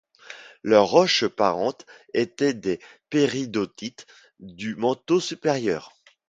Leurs roches parentes étaient des peridotites du manteau supérieur.